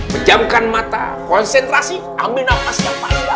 pejamkan mata konsentrasi ambil nafas yang paling dalam